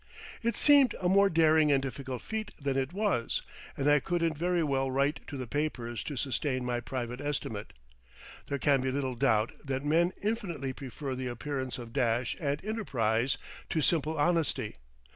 It seemed a more daring and difficult feat than it was, and I couldn't very well write to the papers to sustain my private estimate. There can be little doubt that men infinitely prefer the appearance of dash and enterprise to simple honesty.